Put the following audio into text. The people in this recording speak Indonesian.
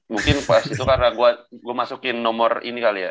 mungkin pas itu karena gue masukin nomor ini kali ya